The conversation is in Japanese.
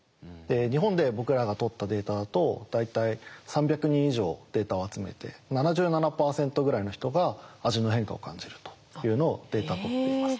日本で僕らが取ったデータだと大体３００人以上データを集めて７７％ぐらいの人が味の変化を感じるというのをデータ取っています。